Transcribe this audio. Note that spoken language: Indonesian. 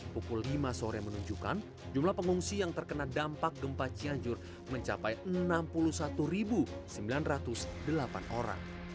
pukul lima sore menunjukkan jumlah pengungsi yang terkena dampak gempa cianjur mencapai enam puluh satu sembilan ratus delapan orang